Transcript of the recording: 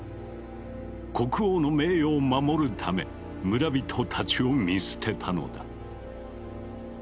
国王の名誉を守るため村人たちを見捨てたのだ。